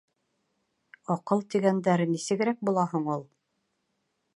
«Аҡыл» тигәндәре нисегерәк була һуң ул?